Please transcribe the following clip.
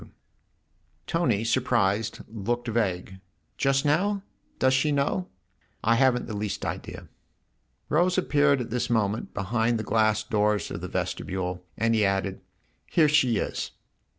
THE OTHER HOUSE 33 Tony, surprised, looked vague. " Just now ? Does she know ? I haven't the least idea." Rose appeared at this moment behind the glass doors of the vestibule, and he added :" Here she is."